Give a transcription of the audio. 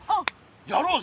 やろうぜ！